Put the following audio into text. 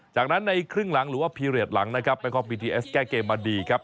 จากนั้นในครึ่งหลังหรือว่าพีเรียสหลังนะครับแบงคอกบีทีเอสแก้เกมมาดีครับ